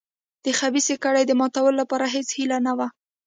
د خبیثه کړۍ د ماتولو لپاره هېڅ هیله نه وه.